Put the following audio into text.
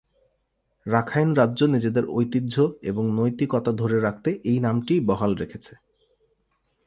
Rakhine রাজ্য নিজেদের ঐতিহ্য এবং নৈতিকতা ধরে রাখতে এই নামটিই বহাল রেখেছে।